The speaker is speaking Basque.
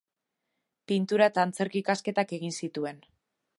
Pintura eta antzerki ikasketak egin zituen.